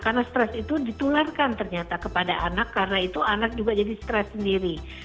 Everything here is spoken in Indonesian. karena stres itu ditularkan ternyata kepada anak karena itu anak juga jadi stres sendiri